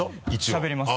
しゃべります。